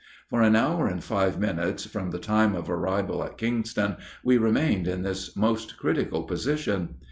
For an hour and five minutes from the time of arrival at Kingston we remained in this most critical position.